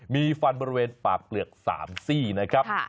มีฟันบริเวณปากเปลือก๓ซี่นะครับ